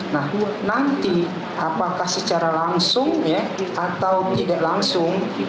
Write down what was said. nah nanti apakah secara langsung atau tidak langsung